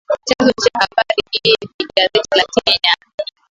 Chanzo cha habari hii ni gazeti la Kenya